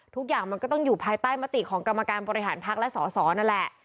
ทุกอย่างมันก็ต้องอยู่ภายใต้มติของกรรมการบริหารพักและสอสอนั่นแหละ